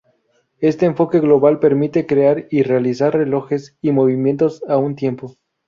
Este enfoque global permite crear y realizar relojes y movimientos a un tiempo.